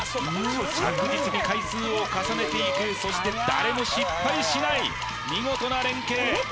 着実に回数を重ねていくそして誰も失敗しない見事な連携